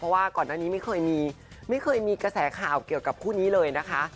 เพราะว่าก่อนหน้านี้ไม่เคยมีไม่เคยมีกระแสข่าวเกี่ยวกับคู่นี้เลยนะคะ